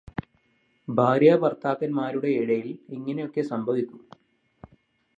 ഭാര്യാഭര്ത്താക്കന്മാരുടെ ഇടയിൽ ഇങ്ങനെയൊക്കെ സംഭവിക്കും